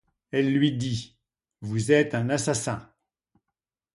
Elle lui dit: — Vous êtes un assassin!